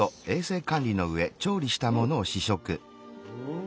うん！